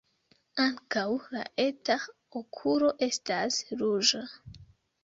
Ankaŭ la eta okulo estas ruĝa.